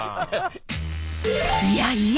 いやいや！